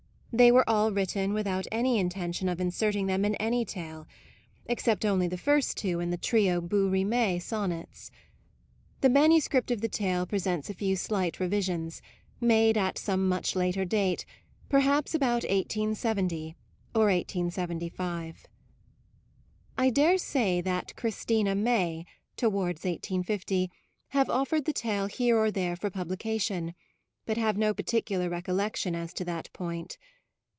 They were all written without any intention of in serting them in any tale except only PREFATORY NOTE the first two in the trio bouts rimes sonnets. The MS. of the tale presents a few slight revisions, made at some much later date perhaps about 1870, or 1875. I daresay that Christina may, tow ards 1850, have offered the tale here or there for publication, but have no particular recollection as to that point.